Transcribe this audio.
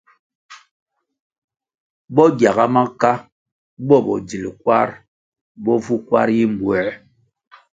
Bo gyaga maka bo bodzil kwarʼ bo vu kwar yi mbwē.